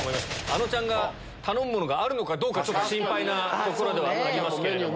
あのちゃんが頼むものがあるのか心配なところではありますけど。